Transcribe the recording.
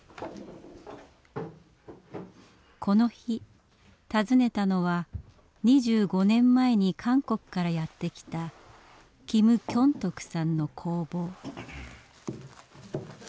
この日訪ねたのは２５年前に韓国からやって来た金京さんの工房。